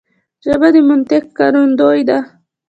ژبه د منطق ښکارندوی ده